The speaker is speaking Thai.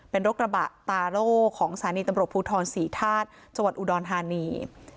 เป็นรถกระบะตาโล่ของสถานีตำรวจภูทรศรีธาตุจังหวัดอุดรธานี